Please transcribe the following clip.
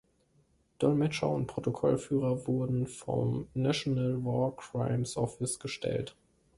Dolmetscher und Protokollführer wurden vom "National War Crimes Office" gestellt.